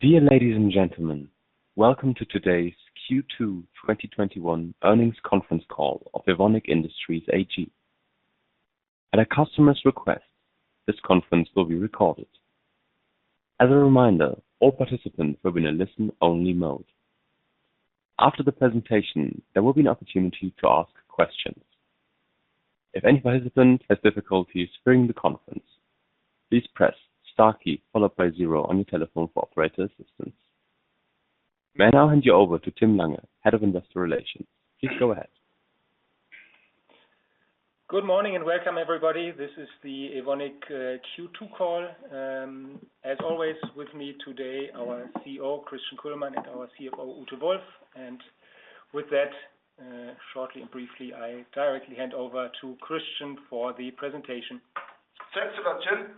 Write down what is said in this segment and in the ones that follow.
Dear ladies and gentlemen, Welcome to today's Q2 2021 Earnings Conference Call of Evonik Industries AG. At a customer's request, this conference will be recorded. As a reminder, all participants will be in a listen-only mode. After the presentation, there will be an opportunity to ask questions. If any participant has difficulties during the conference, please press star key followed by zero on your telephone for operator assistance. May I now hand you over to Tim Lange, Head of Investor Relations. Please go ahead. Good morning, welcome everybody. This is the Evonik Q2 call. As always, with me today, our CEO, Christian Kullmann, and our CFO, Ute Wolf. With that, shortly and briefly, I directly hand over to Christian for the presentation. Thanks, Sebastian.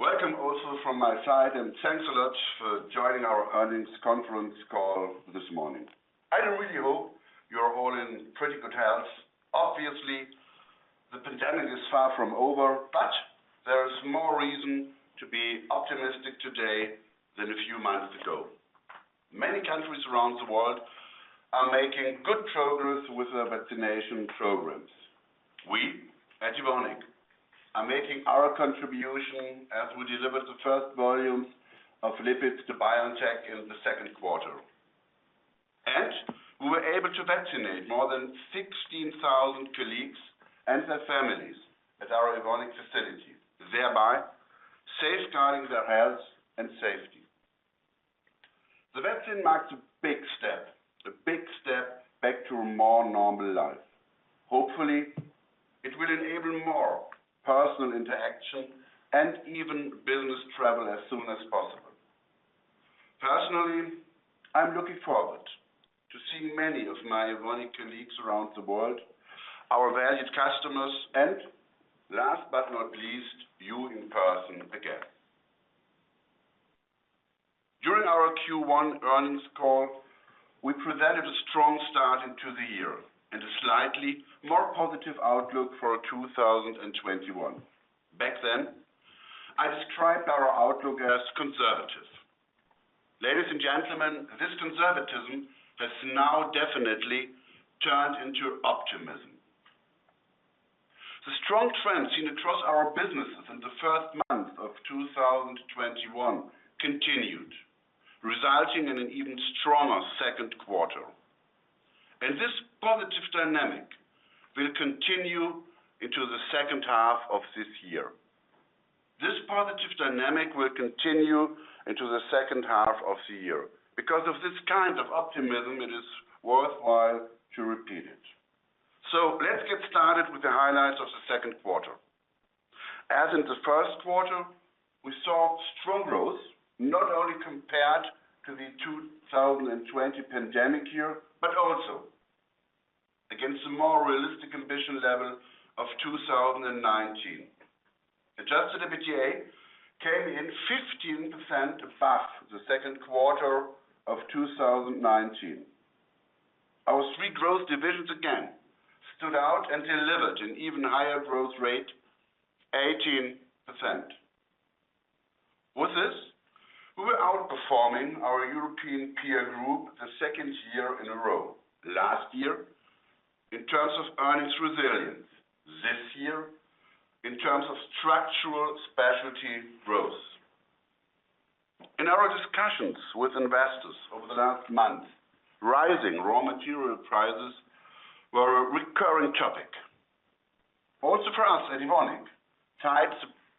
Welcome also from my side. Thanks a lot for joining our Earnings Conference Call this morning. I really hope you're all in pretty good health. Obviously, the pandemic is far from over. There is more reason to be optimistic today than a few months ago. Many countries around the world are making good progress with their vaccination programs. We, at Evonik, are making our contribution as we deliver the first volumes of lipids to BioNTech in the second quarter. We were able to vaccinate more than 16,000 colleagues and their families at our Evonik facilities, thereby safeguarding their health and safety. The vaccine marks a big step back to a more normal life. Hopefully, it will enable more personal interaction and even business travel as soon as possible. Personally, I'm looking forward to seeing many of my Evonik colleagues around the world, our valued customers, and last but not least, you in person again. During our Q1 earnings call, we presented a strong start into the year and a slightly more positive outlook for 2021. Back then, I described our outlook as conservative. Ladies and gentlemen, this conservatism has now definitely turned into optimism. The strong trends seen across our businesses in the first month of 2021 continued, resulting in an even stronger second quarter. This positive dynamic will continue into the second half of this year. This positive dynamic will continue into the second half of the year. Because of this kind of optimism, it is worthwhile to repeat it. Let's get started with the highlights of the second quarter. As in the first quarter, we saw strong growth, not only compared to the 2020 pandemic year, but also against the more realistic ambition level of 2019. Adjusted EBITDA came in 15% above the second quarter of 2019. Our three growth divisions again stood out and delivered an even higher growth rate, 18%. With this, we were outperforming our European peer group the second year in a row. Last year, in terms of earnings resilience this year, in terms of structural specialty growth. In our discussions with investors over the last month, rising raw material prices were a recurring topic. For us at Evonik, tight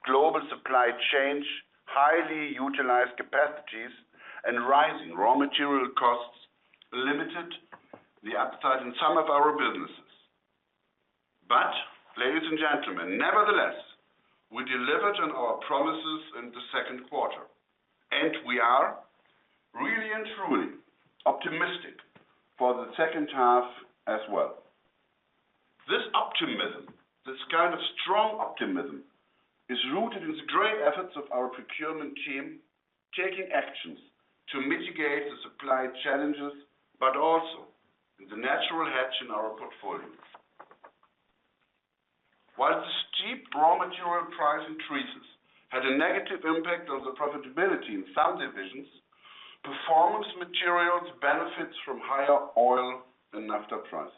global supply chains, highly utilized capacities, and rising raw material costs limited the upside in some of our businesses. But, ladies and gentlemen, nevertheless, we delivered on our promises in the second quarter, and we are really and truly optimistic for the second half as well. This optimism, this kind of strong optimism, is rooted in the great efforts of our procurement team taking actions to mitigate the supply challenges, but also in the natural hedge in our portfolio. While the steep raw material price increases had a negative impact on the profitability in some divisions, Performance Materials benefits from higher oil and naphtha prices.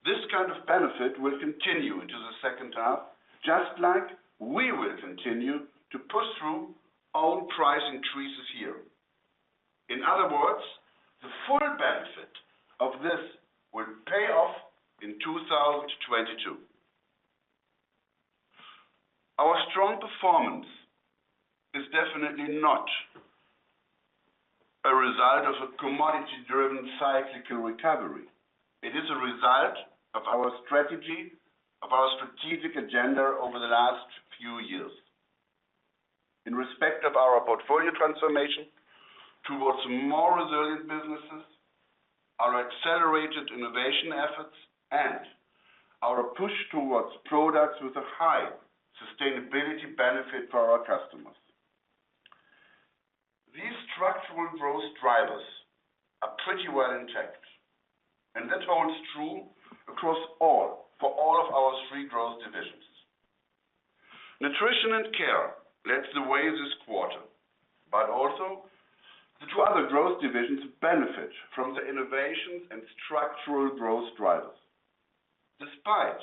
This kind of benefit will continue into the second half, just like we will continue to push through own price increases here. In other words, the full benefit of this will pay off in 2022. Our strong performance is definitely not a result of a commodity-driven cyclical recovery. It is a result of our strategy, of our strategic agenda over the last few years. In respect of our portfolio transformation towards more resilient businesses, our accelerated innovation efforts, and our push towards products with a high sustainability benefit for our customers. These structural growth drivers, pretty well intact. That holds true for all of our three growth divisions. Nutrition & Care led the way this quarter, but also the two other growth divisions benefit from the innovations and structural growth drivers. Despite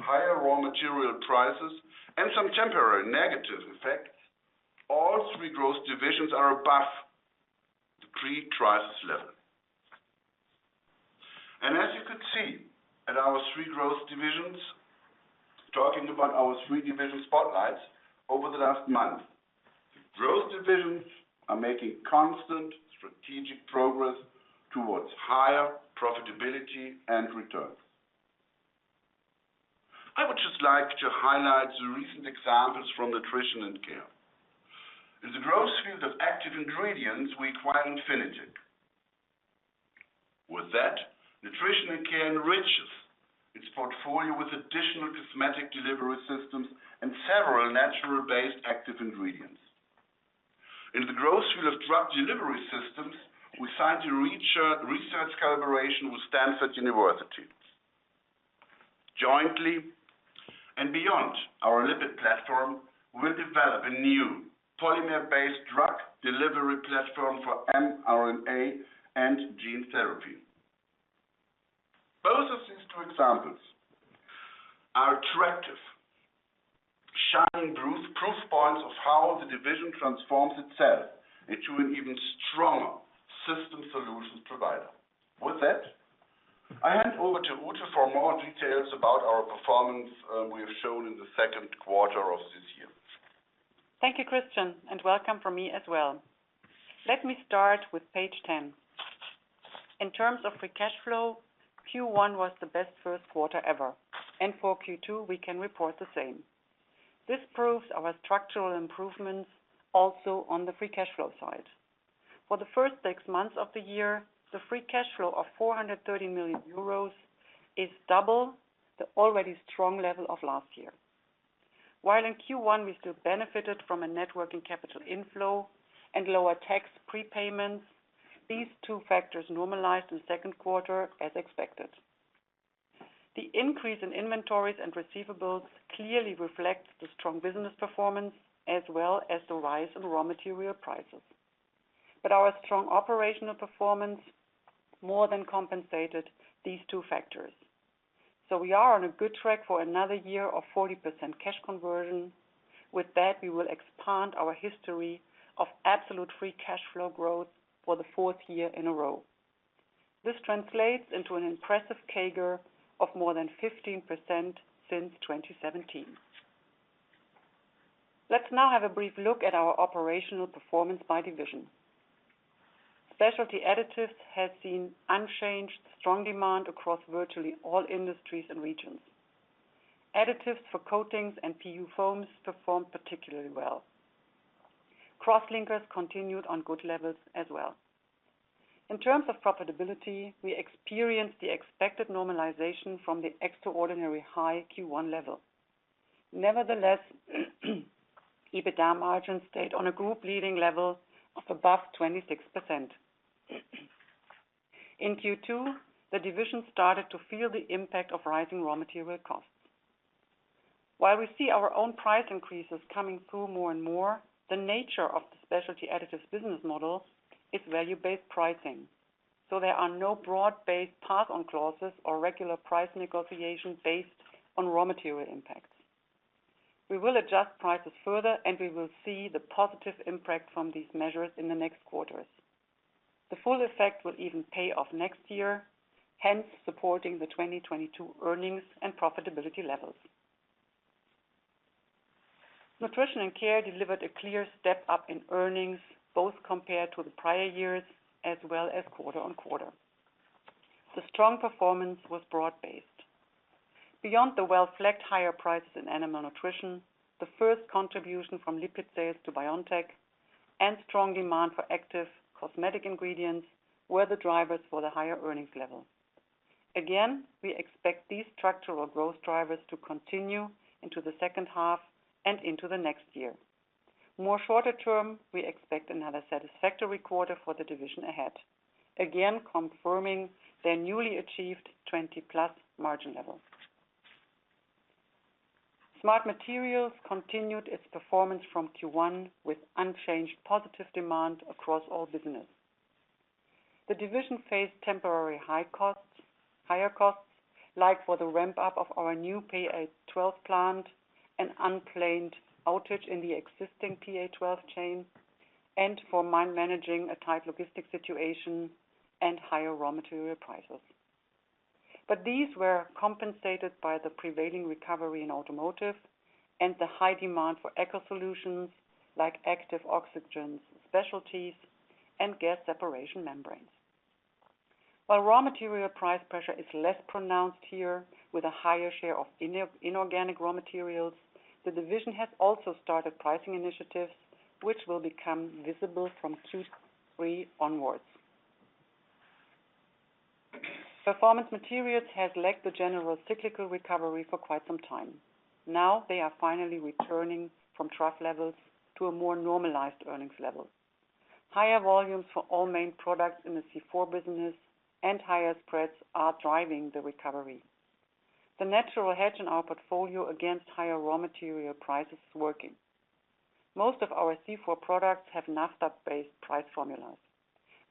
higher raw material prices and some temporary negative effects, all three growth divisions are above the pre-crisis level. As you could see at our three growth divisions, talking about our three division spotlights over the last month, growth divisions are making constant strategic progress towards higher profitability and returns. I would just like to highlight the recent examples from Nutrition & Care. In the growth field of active ingredients, we acquired Infinitec. With that, Nutrition & Care enriches its portfolio with additional cosmetic delivery systems and several natural-based active ingredients. In the growth field of Drug Delivery Systems, we signed a research collaboration with Stanford University. Jointly, and beyond our lipid platform, we'll develop a new polymer-based drug delivery platform for mRNA and gene therapy. Both of these two examples are attractive, shining proof points of how the division transforms itself into an even stronger System Solutions provider. With that, I hand over to Ute for more details about our performance we have shown in the second quarter of this year. Thank you, Christian, and welcome from me as well. Let me start with page 10. In terms of free cash flow, Q1 was the best first quarter ever, and for Q2, we can report the same. This proves our structural improvements also on the free cash flow side. For the first six months of the year, the free cash flow of 430 million euros is double the already strong level of last year. While in Q1, we still benefited from a net working capital inflow and lower tax prepayments, these two factors normalized in the second quarter as expected. The increase in inventories and receivables clearly reflects the strong business performance, as well as the rise in raw material prices. Our strong operational performance more than compensated these two factors. We are on a good track for another year of 40% cash conversion. With that, we will expand our history of absolute free cash flow growth for the fourth year in a row. This translates into an impressive CAGR of more than 15% since 2017. Let's now have a brief look at our operational performance by division. Specialty Additives has seen unchanged strong demand across virtually all industries and regions. Additives for coatings and PU foams performed particularly well. Crosslinkers continued on good levels as well. In terms of profitability, we experienced the expected normalization from the extraordinary high Q1 level. Nevertheless, EBITDA margin stayed on a group-leading level of above 26%. In Q2, the division started to feel the impact of rising raw material costs. While we see our own price increases coming through more and more, the nature of the Specialty Additives business model is value-based pricing, so there are no broad-based pass-on clauses or regular price negotiation based on raw material impacts. We will adjust prices further and we will see the positive impact from these measures in the next quarters. The full effect will even pay off next year, hence supporting the 2022 earnings and profitability levels. Nutrition & Care delivered a clear step-up in earnings, both compared to the prior years as well as quarter-on-quarter. The strong performance was broad-based. Beyond the well-flagged higher prices in Animal Nutrition, the first contribution from lipid sales to BioNTech and strong demand for active cosmetic ingredients were the drivers for the higher earnings level. Again, we expect these structural growth drivers to continue into the second half and into the next year. More shorter term, we expect another satisfactory quarter for the division ahead, again confirming their newly achieved 20+ margin level. Smart Materials continued its performance from Q1 with unchanged positive demand across all business. The division faced temporary higher costs, like for the ramp-up of our new PA12 plant, an unplanned outage in the existing PA12 chain, and for managing a tight logistic situation and higher raw material prices. These were compensated by the prevailing recovery in automotive and the high demand for Eco Solutions like Active Oxygen Specialties and gas separation membranes. While raw material price pressure is less pronounced here with a higher share of inorganic raw materials, the division has also started pricing initiatives which will become visible from Q3 onwards. Performance Materials has lacked the general cyclical recovery for quite some time. They are finally returning from trough levels to a more normalized earnings level. Higher volumes for all main products in the C4 business and higher spreads are driving the recovery. The natural hedge in our portfolio against higher raw material price is working. Most of our C4 products have naphtha-based price formulas.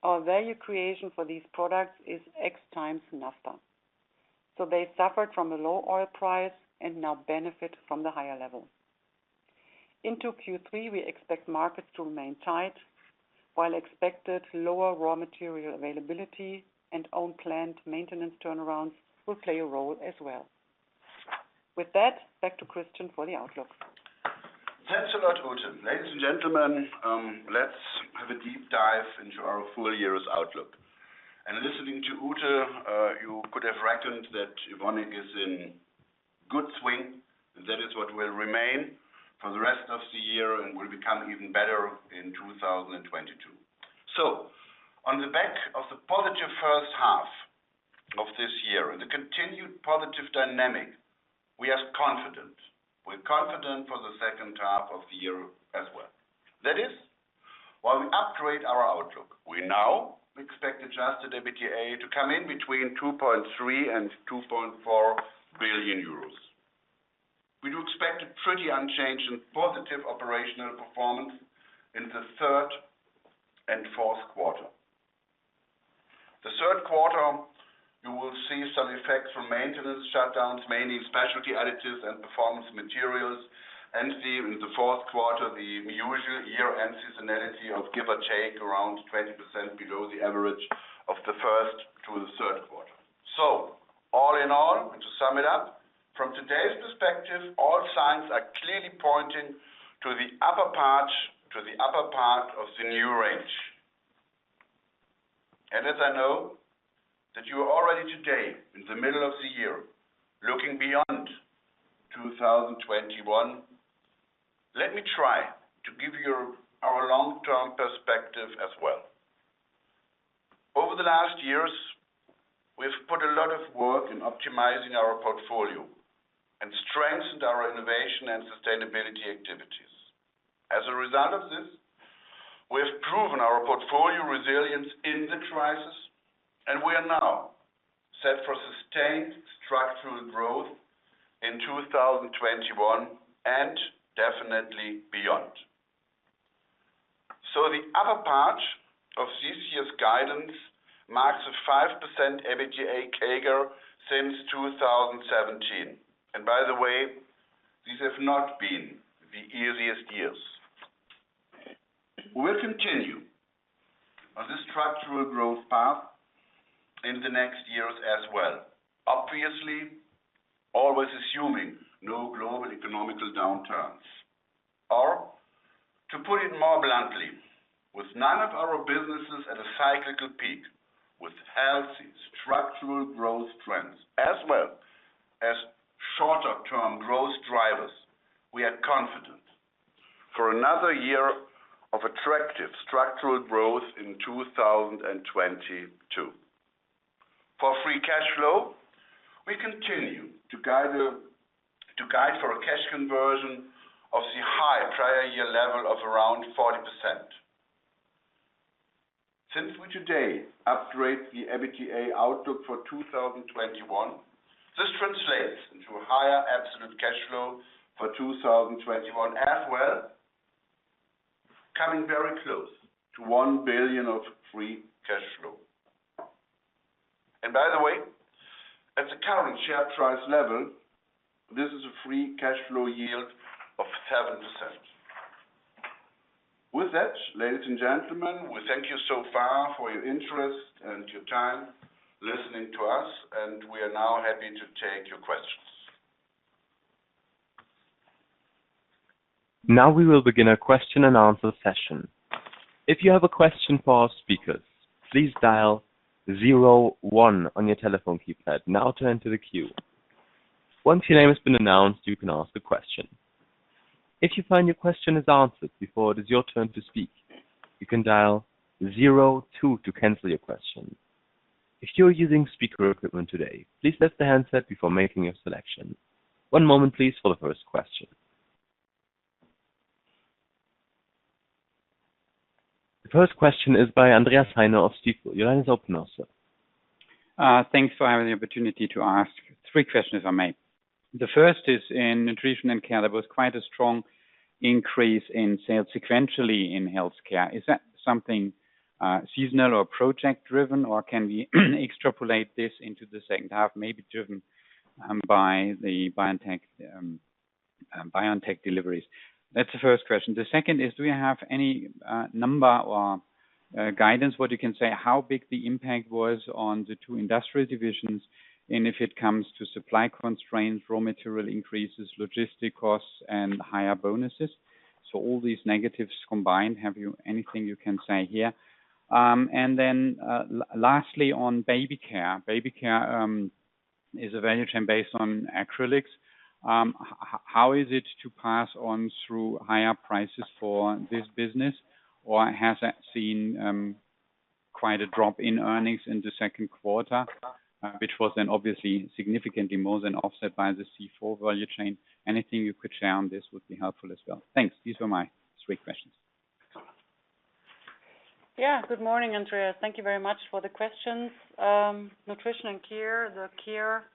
Our value creation for these products is X times naphtha. They suffered from a low oil price and now benefit from the higher level. Into Q3, we expect markets to remain tight, while expected lower raw material availability and own plant maintenance turnarounds will play a role as well. With that, back to Christian for the outlook. Thanks a lot, Ute. Ladies and gentlemen, let's have a deep dive into our full year's outlook. Listening to Ute, you could have reckoned that Evonik is in good swing, and that is what will remain for the rest of the year and will become even better in 2022. On the back of the positive first half of this year and the continued positive dynamic, we are confident. We're confident for the second half of the year as well. That is why we upgrade our outlook. We now expect Adjusted EBITDA to come in between 2.3 billion and 2.4 billion. We do expect a pretty unchanged and positive operational performance in the third and fourth quarter. The third quarter, you will see some effects from maintenance shutdowns, mainly in Specialty Additives and Performance Materials, and see in the fourth quarter the usual year-end seasonality of give or take around 20% below the average of the first to the third quarter. All in all, and to sum it up, from today's perspective, all signs are clearly pointing to the upper part of the new range. As I know that you are already today, in the middle of the year, looking beyond 2021, let me try to give you our long-term perspective as well. Over the last years, we've put a lot of work in optimizing our portfolio and strengthened our innovation and sustainability activities. As a result of this, we have proven our portfolio resilience in the crisis, and we are now set for sustained structural growth in 2021 and definitely beyond. The upper part of this year's guidance marks a 5% EBITDA CAGR since 2017. And by the way, these have not been the easiest years. We will continue on this structural growth path in the next years as well, obviously, always assuming no global economic downturns, or to put it more bluntly, with none of our businesses at a cyclical peak, with healthy structural growth trends as well as shorter-term growth drivers, we are confident for another year of attractive structural growth in 2022. For free cash flow, we continue to guide for a cash conversion of the high prior year level of around 40%. Since we today upgrade the EBITDA outlook for 2021, this translates into higher absolute cash flow for 2021 as well, coming very close to 1 billion of free cash flow. By the way, at the current share price level, this is a free cash flow yield of 7%. With that, ladies and gentlemen, we thank you so far for your interest and your time listening to us, and we are now happy to take your questions. Now we will begin a question and answer session. If you have a question for our speakers, please dial zero one on your telephone keypad now to enter the queue. Once your name has been announced, you can ask a question. If you find your question is answered before it is your turn to speak, you can dial zero two to cancel your question. If you are using speaker equipment today, please lift the handset before making your selection. One moment, please, for the first question. The first question is by Andreas Heine of Stifel. Your line is open now, sir. Thanks for having the opportunity to ask three questions of mine. The first is in Nutrition & Care. There was quite a strong increase in sales sequentially in Health Care. Is that something seasonal or project driven, or can we extrapolate this into the second half, maybe driven by the BioNTech deliveries? That's the first question. The second is, do you have any number or guidance what you can say how big the impact was on the two industrial divisions, and if it comes to supply constraints, raw material increases, logistic costs, and higher bonuses? All these negatives combined, have you anything you can say here? And then lastly on Baby Care. Baby Care is a value chain based on acrylics. How is it to pass on through higher prices for this business? Or has that seen quite a drop in earnings in the second quarter, which was then obviously significantly more than offset by the C4 value chain? Anything you could share on this would be helpful as well. Thanks. These were my three questions. Good morning, Andreas. Thank you very much for the questions. Nutrition & Care, the Care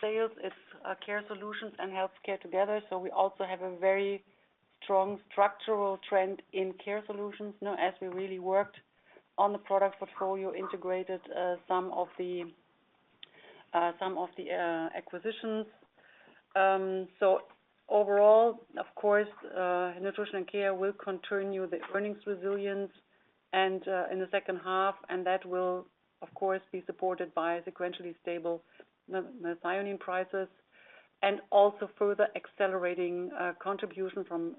sales is a Care Solutions and Health Care together. We also have a very strong structural trend in Care Solutions now, as we really worked on the product portfolio, integrated some of the, some of the acquisitions. So overall, of course, Nutrition & Care will continue the earnings resilience and in the second half, and that will, of course, be supported by sequentially stable methionine prices, and also further accelerating contribution from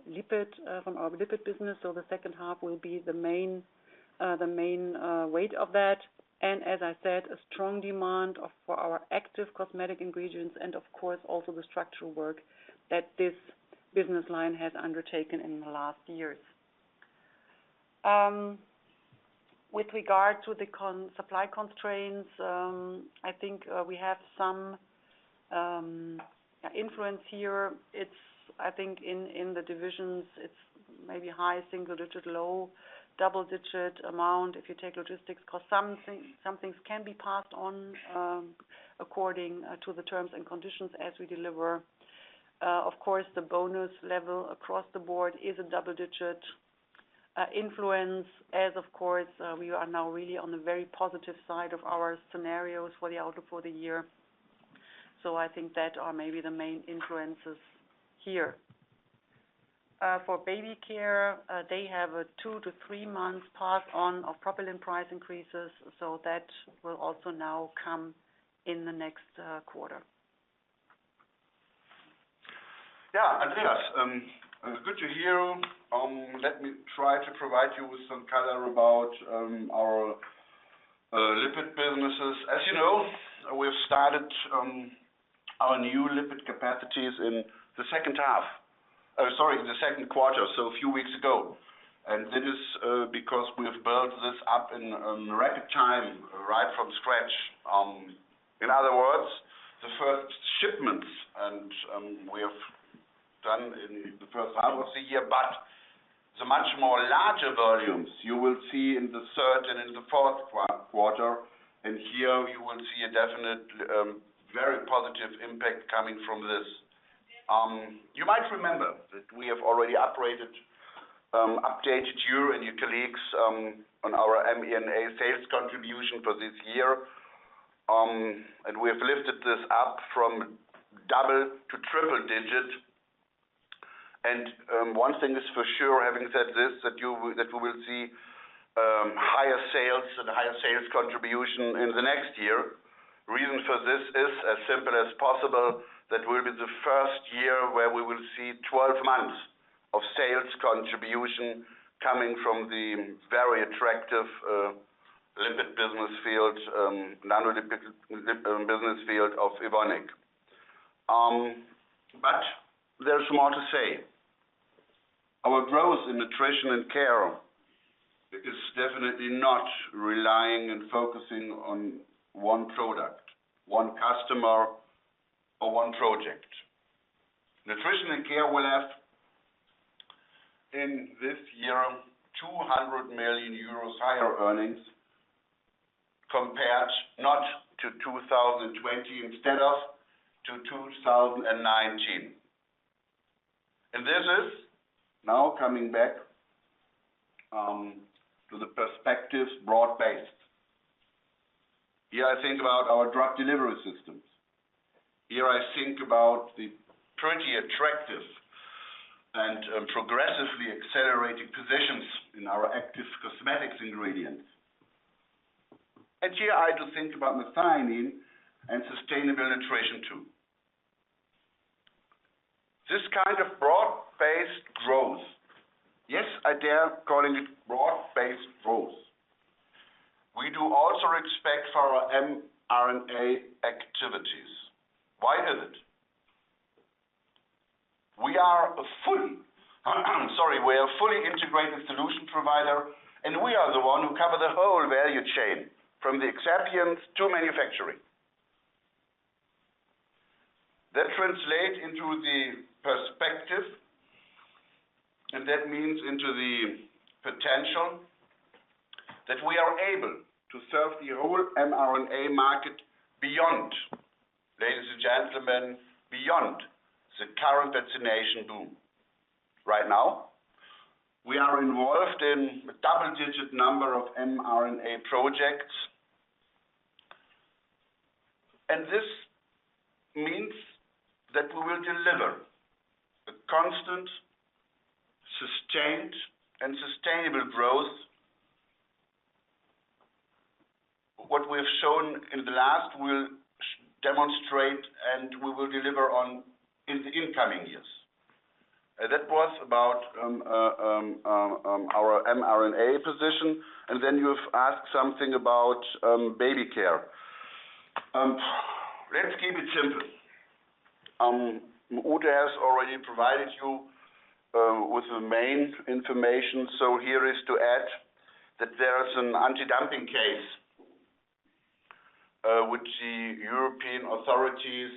our lipid business. The second half will be the main weight of that. As I said, a strong demand for our active cosmetic ingredients and of course, also the structural work that this business line has undertaken in the last years. With regard to the supply constraints, I think we have some influence here. I think in the divisions, it's maybe high single-digit, low double-digit amount, if you take logistics, because some things can be passed on according to the terms and conditions as we deliver. The bonus level across the board is a double-digit influence as, of course, we are now really on the very positive side of our scenarios for the outlook for the year. I think that are maybe the main influences here. For Baby Care, they have a two to three month pass on of propylene price increases, that will also now come in the next quarter. Yeah, Andreas, good to hear. Let me try to provide you with some color about our lipid businesses. As you know, we've started our new lipid capacities in the second half, sorry, in the second quarter, a few weeks ago. This is because we have built this up in rapid time, right from scratch. In other words, the first shipments, and we have done in the first half of the year, but the much more larger volumes you will see in the third and in the fourth quarter, and here you will see a definite very positive impact coming from this. You might remember that we have already updated you and your colleagues on our M&A sales contribution for this year. We have lifted this up from double to triple digit. One thing is for sure, having said this, that we will see higher sales and higher sales contribution in the next year. Reason for this is as simple as possible, that will be the first year where we will see 12 months of sales contribution coming from the very attractive lipid business field, lipid nanoparticle business field of Evonik. There's more to say. Our growth in Nutrition & Care is definitely not relying and focusing on one product, one customer, or one project. Nutrition & Care will have, in this year, 200 million euros higher earnings compared not to 2020, instead of to 2019. This is now coming back to the perspectives broad-based. Here I think about our Drug Delivery Systems. Here I think about the pretty attractive and progressively accelerating positions in our active cosmetics ingredients. Here I do think about methionine and sustainable nutrition too. This kind of broad-based growth, yes, I dare calling it broad-based growth. We do also expect for our mRNA activities. Why is it? We are a fully, i'm sorry, we are a fully integrated solution provider, and we are the one who cover the whole value chain, from the excipients to manufacturing. That translate into the perspective, and that means into the potential that we are able to serve the whole mRNA market beyond, ladies and gentlemen, beyond the current vaccination boom. Right now, we are involved in double-digit number of mRNA projects. This means that we will deliver a constant, sustained, and sustainable growth. What we'll shown in the last will demonstrate and we will deliver on in the incoming years. That was about our mRNA position, and then you've asked something about Baby Care. Let's keep it simple. Ute has already provided you with the main information. Here is to add that there is an anti-dumping case, which the European authorities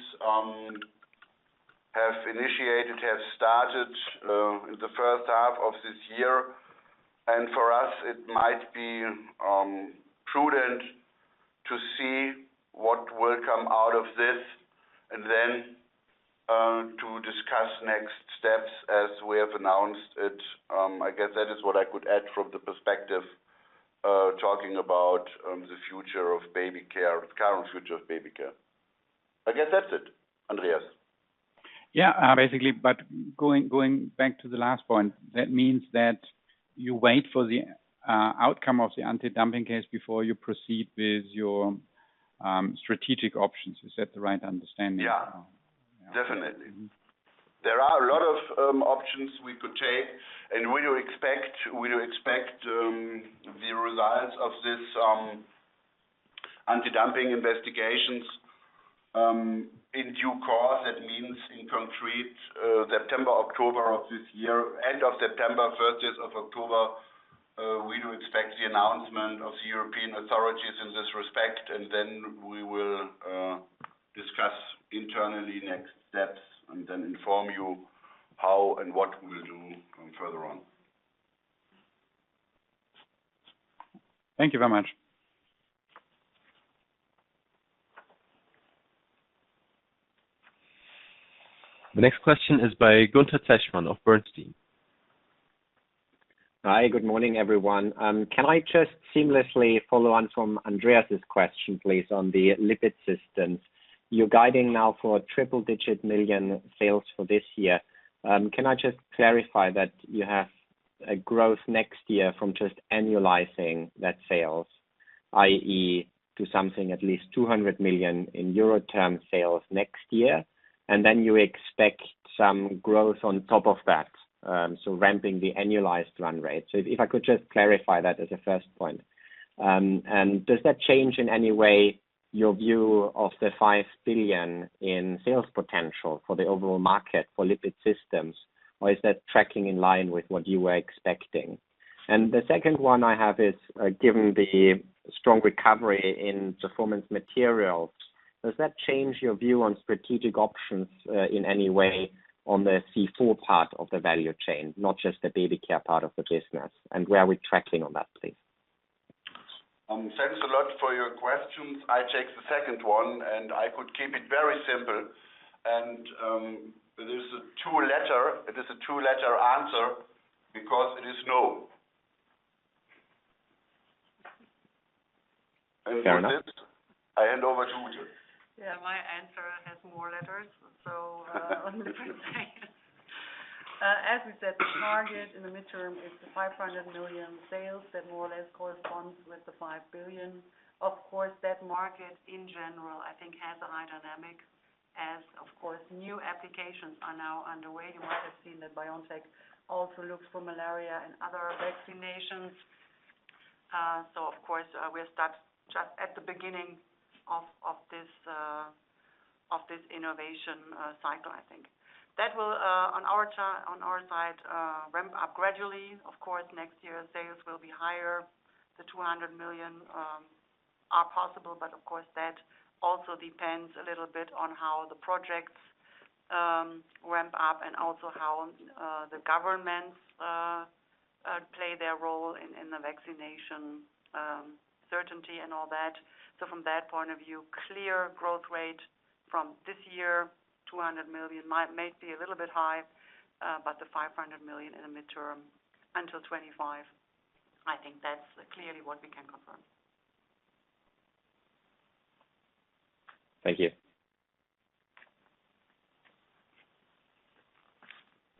have initiated, have started in the first half of this year. For us, it might be prudent to see what will come out of this, and then to discuss next steps as we have announced it. I guess that is what I could add from the perspective talking about the future of Baby Care, the current future of Baby Care. I guess that's it, Andreas. Yeah. Basically, going back to the last point, that means that you wait for the outcome of the anti-dumping case before you proceed with your strategic options. Is that the right understanding? Yeah. Definitely. There are a lot of options we could take, and we do expect the results of this anti-dumping investigations in due course. That means in concrete, September, October of this year. End of September, first days of October, we do expect the announcement of the European authorities in this respect. We will discuss internally next steps and then inform you how and what we'll do further on. Thank you very much. The next question is by Gunther Zechmann of Bernstein. Hi, good morning, everyone. Can I just seamlessly follow on from Andreas's question, please, on the lipid systems? You're guiding now for triple-digit million sales for this year. Can I just clarify that you have a growth next year from just annualizing that sales, i.e., to something at least 200 million euro in sales next year, then you expect some growth on top of that, so ramping the annualized run rate? If I could just clarify that as a first point. Does that change in any way your view of the 5 billion in sales potential for the overall market for lipid systems, or is that tracking in line with what you were expecting? The second one I have is, given the strong recovery in Performance Materials, does that change your view on strategic options, in any way on the C4 part of the value chain, not just the Baby Care part of the business? Where are we tracking on that, please? Thanks a lot for your questions. I take the second one, and I could keep it very simple. It is a two-letter answer because it is no. Fair enough. With this, I hand over to Ute. Yeah, my answer has more letters, on the first page. As we said, the target in the midterm is the 500 million sales that more or less corresponds with the 5 billion. That market in general, I think, has a high dynamic, as of course, new applications are now underway. You might have seen that BioNTech also looks for malaria and other vaccinations. Of course, we are stuck just at the beginning of this innovation cycle, I think. That will, on our side, ramp up gradually. Next year, sales will be higher. The 200 million are possible, but of course, that also depends a little bit on how the projects ramp up and also how the governments play their role in the vaccination certainty and all that. From that point of view, clear growth rate from this year, 200 million may be a little bit high. The 500 million in the midterm until 2025, I think that's clearly what we can confirm. Thank you.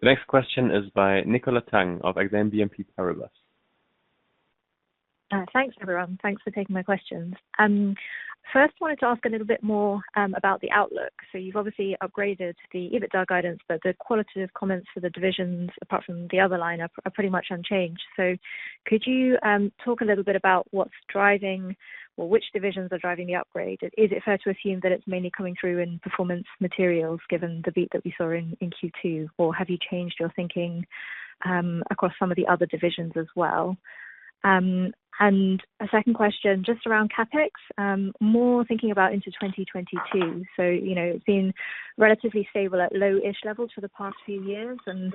The next question is by Nicola Tang of Exane BNP Paribas. Thanks, everyone. Thanks for taking my questions. Wanted to ask a little bit more about the outlook. You've obviously upgraded the EBITDA guidance, but the qualitative comments for the divisions, apart from the other line, are pretty much unchanged. Could you talk a little bit about what's driving or which divisions are driving the upgrade? Is it fair to assume that it's mainly coming through in Performance Materials, given the beat that we saw in Q2? Have you changed your thinking across some of the other divisions as well? A second question, just around CapEx, more thinking about into 2022. It's been relatively stable at low-ish levels for the past few years, and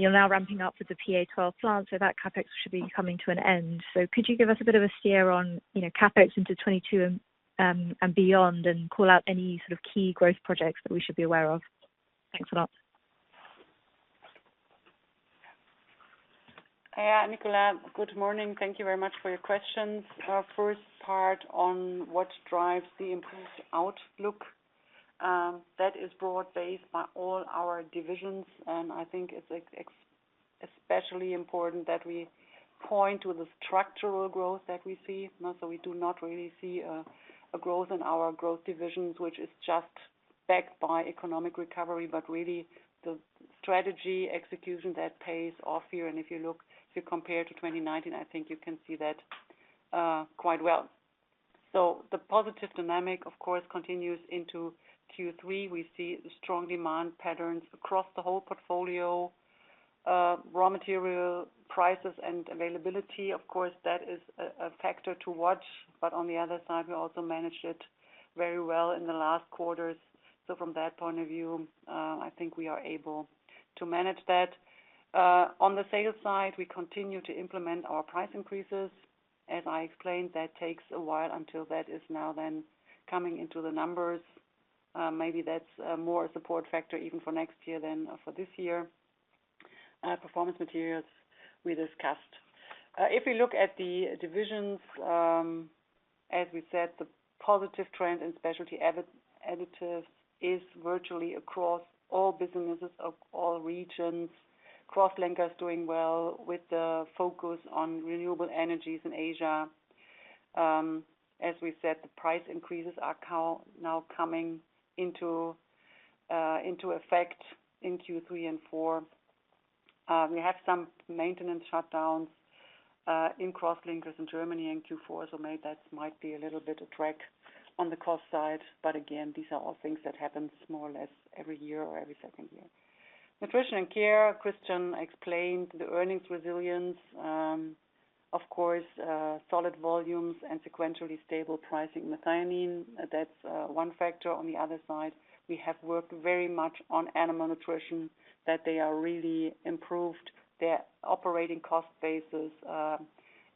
you're now ramping up with the PA12 plant, that CapEx should be coming to an end. Could you give us a bit of a steer on CapEx into 2022 and beyond and call out any sort of key growth projects that we should be aware of? Thanks a lot. Yeah, Nicola. Good morning. Thank you very much for your questions. First part on what drives the improved outlook. That is broad-based by all our divisions, and I think it's especially important that we point to the structural growth that we see. We do not really see a growth in our growth divisions, which is just backed by economic recovery, but really the strategy execution that pays off here. If you compare to 2019, I think you can see that quite well. The positive dynamic, of course, continues into Q3. We see strong demand patterns across the whole portfolio. Raw material prices and availability, of course, that is a factor to watch. On the other side, we also managed it very well in the last quarters. From that point of view, I think we are able to manage that. On the sales side, we continue to implement our price increases. As I explained, that takes a while until that is now then coming into the numbers. Maybe that's a more support factor even for next year than for this year. Performance Materials we discussed. If you look at the divisions, as we said, the positive trend in Specialty Additives is virtually across all businesses of all regions. Crosslinkers is doing well with the focus on renewable energies in Asia. As we said, the price increases are now coming into effect in Q3 and Q4. We have some maintenance shutdowns in crosslinkers in Germany in Q4. Maybe that might be a little bit a drag on the cost side. But again, these are all things that happen more or less every year or every second year. Nutrition & Care, Christian explained the earnings resilience. Of course, solid volumes and sequentially stable pricing methionine, that's one factor. On the other side, we have worked very much on Animal Nutrition, that they are really improved their operating cost bases,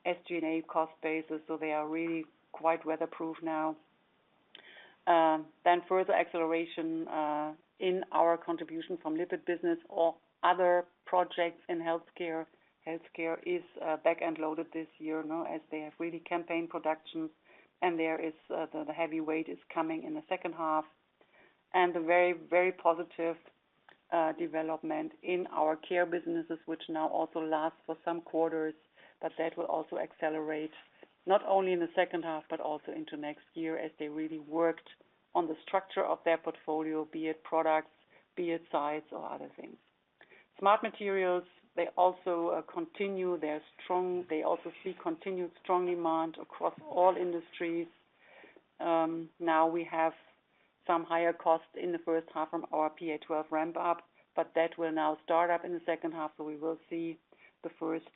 SG&A cost bases, so they are really quite weatherproof now. Then, further acceleration in our contribution from lipid business or other projects in Health Care. Health Care is back-end loaded this year, as they have really campaign productions, and the heavy weight is coming in the second half. The very, very positive development in our care businesses, which now also lasts for some quarters, but that will also accelerate not only in the second half but also into next year as they really worked on the structure of their portfolio, be it products, be it size or other things. Smart Materials, they also see continued strong demand across all industries. We have some higher costs in the first half from our PA12 ramp-up, but that will now start up in the second half, so we will see the first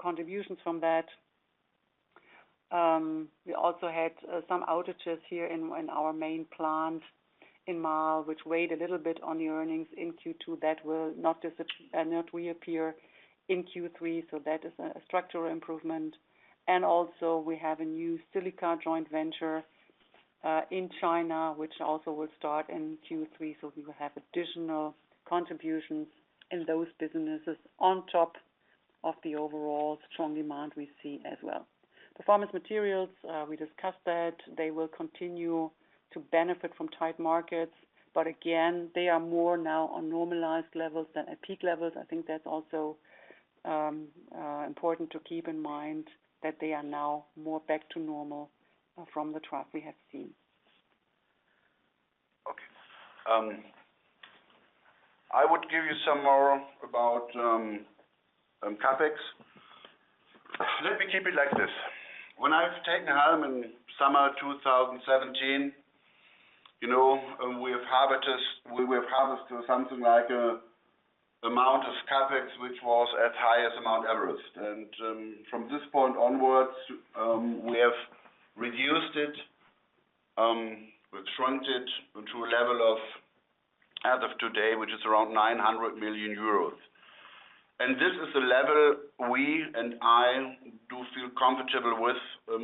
contributions from that. We also had some outages here in our main plant in Marl, which weighed a little bit on the earnings in Q2. That will not reappear in Q3, so that is a structural improvement. Also we have a new silica joint venture in China, which also will start in Q3. We will have additional contributions in those businesses on top of the overall strong demand we see as well. Performance Materials, we discussed that. They will continue to benefit from tight markets, but again, they are more now on normalized levels than at peak levels. I think that's also important to keep in mind that they are now more back to normal from the trough we have seen. I would give you some more about CapEx. Let me keep it like this. When I've taken home in summer 2017, we have harvested something like amount of CapEx, which was as high as Mount Everest. From this point onwards, we have reduced it. We've shrunk it to a level of, as of today, which is around 900 million euros. This is the level we and I do feel comfortable with,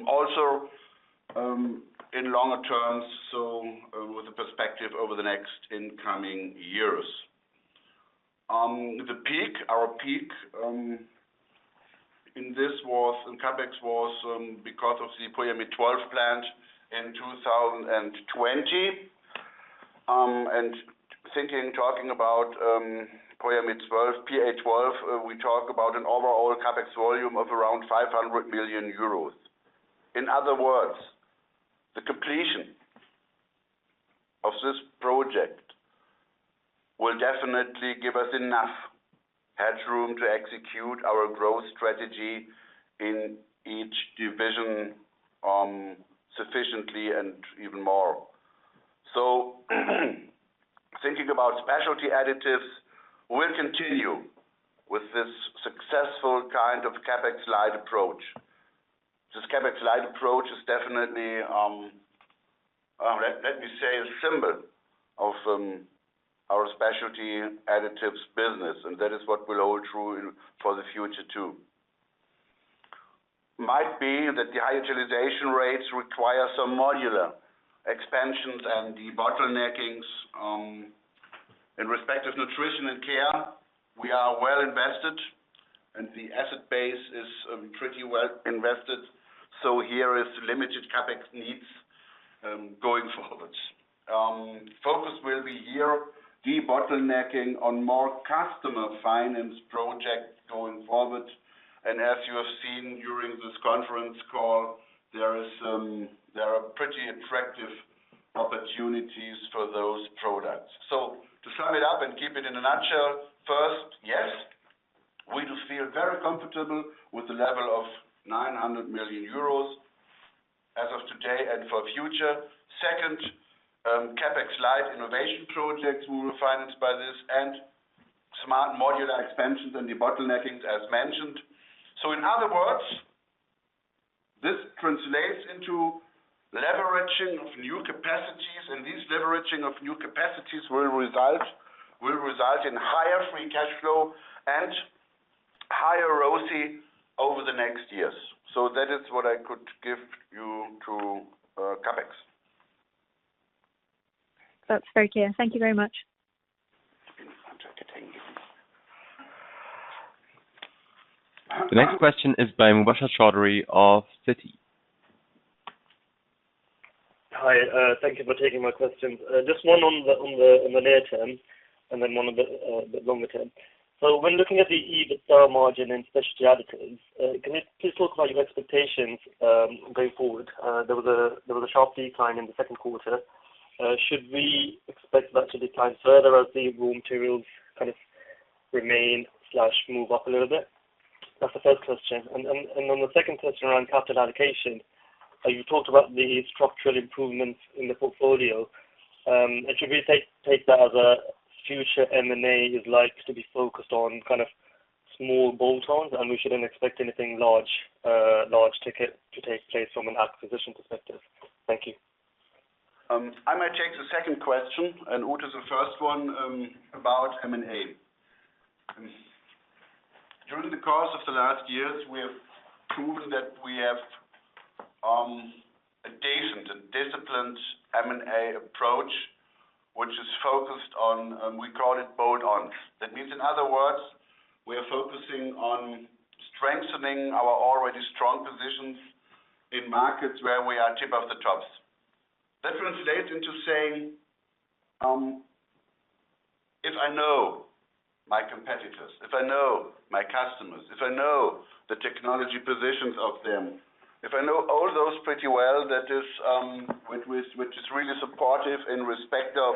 also in longer terms, so with the perspective over the next incoming years. The peak, our peak in CapEx was because of the Polyamide 12 plant in 2020. Thinking, talking about Polyamide 12, PA12, we talk about an overall CapEx volume of around 500 million euros. In other words, the completion of this project will definitely give us enough headroom to execute our growth strategy in each division sufficiently and even more. Thinking about Specialty Additives, we'll continue with this successful kind of CapEx light approach. This CapEx light approach is definitely, let me say, a symbol of our Specialty Additives business, and that is what will hold true for the future, too. Might be that the high utilization rates require some modular expansions and the bottleneckings. In respect of Nutrition & Care, we are well invested, and the asset base is pretty well invested. Here is limited CapEx needs going forwards. Focus will be here, debottlenecking on more customer finance projects going forward. As you have seen during this conference call, there are pretty attractive opportunities for those products. So to sum it up and keep it in a nutshell, first, yes, we do feel very comfortable with the level of 900 million euros as of today and for future. Second, CapEx light innovation projects will be financed by this and smart modular expansions and debottleneckings as mentioned. In other words, this translates into leveraging of new capacities, and this leveraging of new capacities will result in higher free cash flow and higher ROCE over the next years. That is what I could give you to CapEx. That's very clear. Thank you very much. The next question is by Mubasher Chaudhry of Citi. Hi, thank you for taking my questions. Just one on the near term and then one on the longer term. When looking at the EBITDA margin in Specialty Additives, can you please talk about your expectations going forward? There was a sharp decline in the second quarter. Should we expect that to decline further as the raw materials kind of remain/move up a little bit? That's the first question. On the second question around capital allocation, you talked about the structural improvements in the portfolio. Should we take that as a future M&A is likely to be focused on kind of small bolt-ons, and we shouldn't expect anything large to take place from an acquisition perspective? Thank you. I might take the second question and Ute the first one about M&A. During the course of the last years, we have proven that we have a decent and disciplined M&A approach, which is focused on, we call it bolt-ons. That means, in other words, we are focusing on strengthening our already strong positions in markets where we are tip of the tops. That translates into saying, if I know my competitors, if I know my customers, if I know the technology positions of them, if I know all those pretty well, which is really supportive in respect of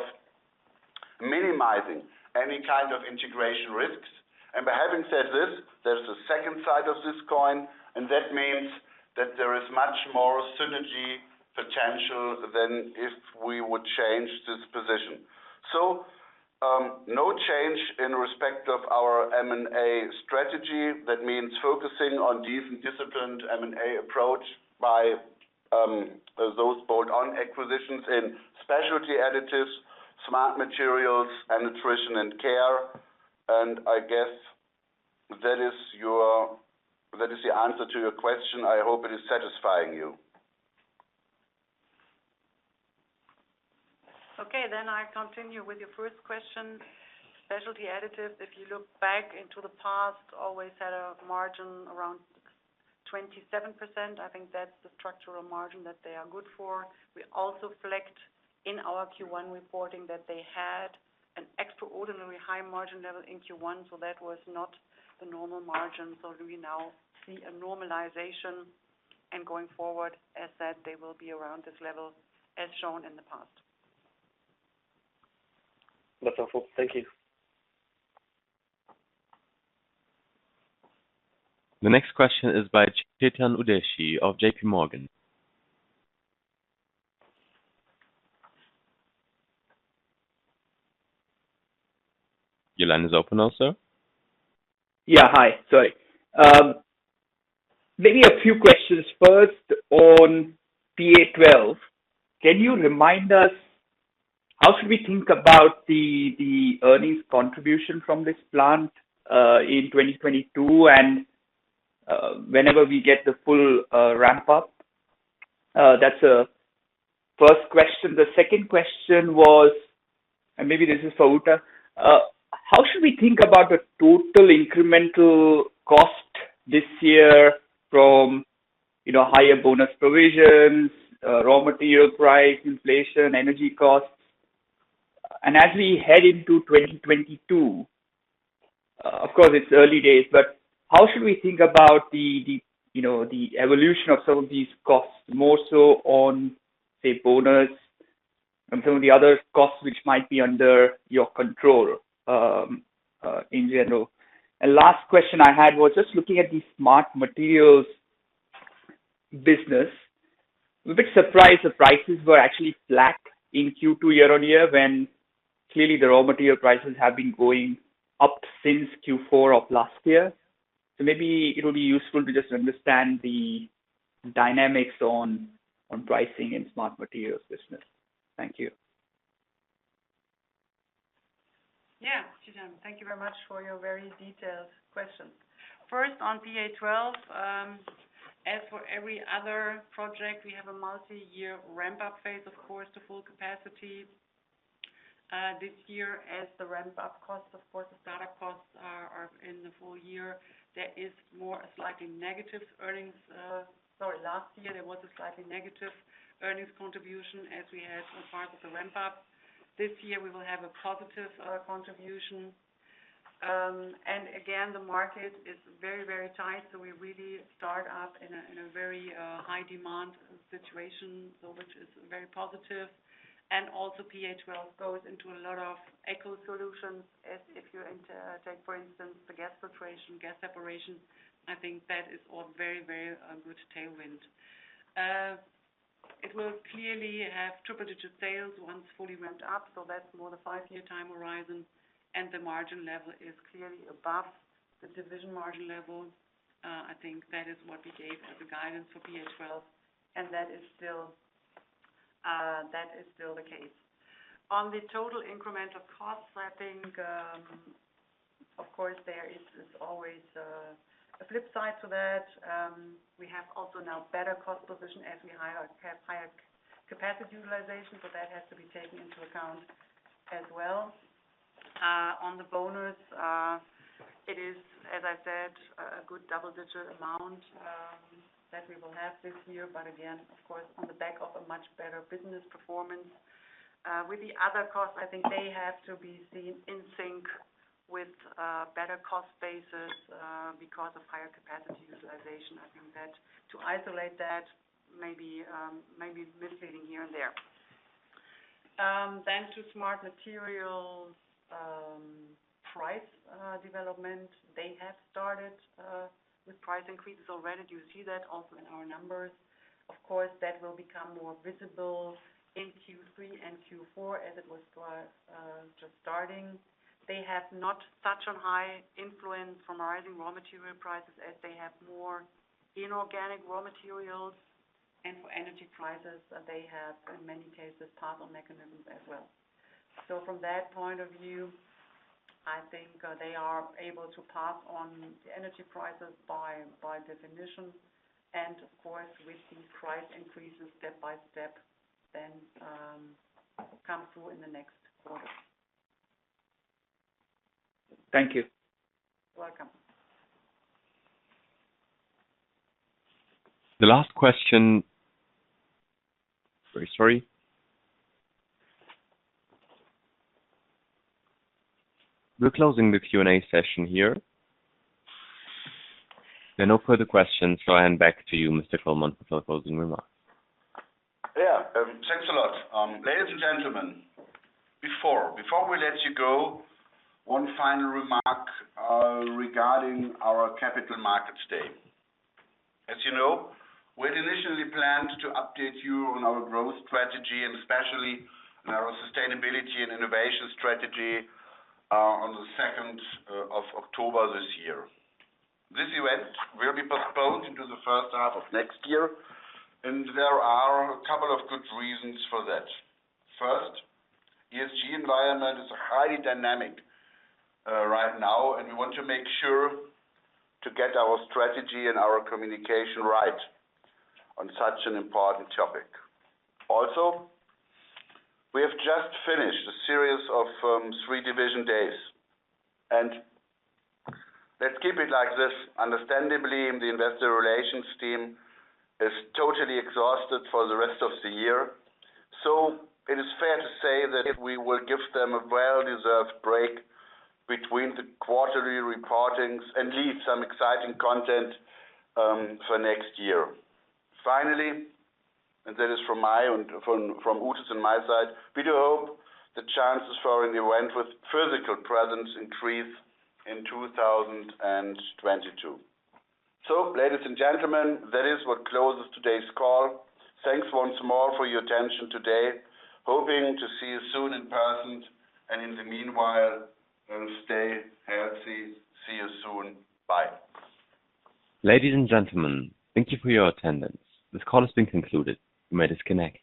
minimizing any kind of integration risks. By having said this, there's a second side of this coin, and that means that there is much more synergy potential than if we would change this position. No change in respect of our M&A strategy. That means focusing on decent disciplined M&A approach by those bolt-on acquisitions in Specialty Additives, Smart Materials, and Nutrition & Care. I guess that is the answer to your question. I hope it is satisfying you. Okay. I continue with your first question. Specialty Additives, if you look back into the past, always had a margin around 27%. I think that's the structural margin that they are good for. We also reflect in our Q1 reporting that they had an extraordinary high margin level in Q1, so that was not the normal margin. Do we now see a normalization and going forward, as said, they will be around this level as shown in the past. That's helpful. Thank you. The next question is by Chetan Udeshi of JPMorgan. Your line is open now, sir. Yeah. Hi, sorry. Maybe a few questions. First, on PA12, can you remind us how should we think about the earnings contribution from this plant in 2022 and whenever we get the full ramp-up? That's the first question. The second question was, and maybe this is for Ute, how should we think about the total incremental cost this year from higher bonus provisions, raw material price inflation, energy costs? As we head into 2022, of course it's early days, but how should we think about the evolution of some of these costs more so on, say, bonus and some of the other costs which might be under your control in general. Last question I had was just looking at the Smart Materials business. We're a bit surprised the prices were actually flat in Q2 year-on-year, when clearly the raw material prices have been going up since Q4 of last year. Maybe it'll be useful to just understand the dynamics on pricing in Smart Materials business. Thank you. Yeah, Chetan, thank you very much for your very detailed questions. First, on PA12, as for every other project, we have a multi-year ramp-up phase, of course, to full capacity. This year as the ramp-up costs, of course, the startup costs are in the full year. That is more a slight in negative earnings, sorry. Last year, there was a slightly negative earnings contribution as we had as part of the ramp-up. This year, we will have a positive contribution. And again, the market is very, very tight, so we really start up in a very high demand situation, which is very positive. Also PA12 goes into a lot of Eco Solutions. If you take, for instance, the gas filtration, gas separation, I think that is all very, very good tailwind. It will clearly have triple-digit sales once fully ramped up, so that's more the five-year time horizon, and the margin level is clearly above the division margin level. I think that is what we gave as a guidance for PA12, and that is still the case. On the total incremental costs, I think, of course, there is this always a flip side to that. We have also now better cost position as we have higher capacity utilization, so that has to be taken into account as well. On the bonus, it is, as I said, a good double-digit amount that we will have this year. But again, of course, on the back of a much better business performance. With the other costs, I think they have to be seen in sync with better cost bases because of higher capacity utilization. I think that to isolate that may be misleading here and there. To Smart Materials' price development. They have started with price increases already. You see that also in our numbers. Of course, that will become more visible in Q3 and Q4 as it was just starting. They have not such a high influence from rising raw material prices, as they have more inorganic raw materials. For energy prices, they have, in many cases, pass-on mechanisms as well. From that point of view, I think they are able to pass on the energy prices by definition. Of course, we see price increases step by step then come through in the next quarter. Thank you. You're welcome. The last question. Very sorry. We're closing the Q&A session here. There are no further questions. I hand back to you, Mr. Kullmann, for closing remarks. Yeah. Thanks a lot. Ladies and gentlemen, before, before we let you go, one final remark regarding our Capital Markets Day. As you know, we had initially planned to update you on our growth strategy and especially our sustainability and innovation strategy on the 2nd of October this year. This event will be postponed into the first half of next year, and there are a couple of good reasons for that. First, ESG environment is highly dynamic right now, and we want to make sure to get our strategy and our communication right on such an important topic. Also, we have just finished a series of three division days, and let's keep it like this. Understandably, the investor relations team is totally exhausted for the rest of the year. It is fair to say that we will give them a well-deserved break between the quarterly reportings and leave some exciting content for next year. Finally, that is from Ute's and my side, we do hope the chances for an event with physical presence increase in 2022. Ladies and gentlemen, that is what closes today's call. Thanks once more for your attention today. Hoping to see you soon in person, and in the meanwhile, stay healthy. See you soon. Bye. Ladies and gentlemen, thank you for your attendance. This call has been concluded. You may disconnect.